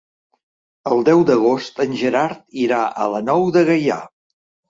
El deu d'agost en Gerard irà a la Nou de Gaià.